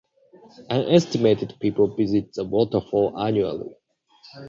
An estimated people visit the waterfall annually.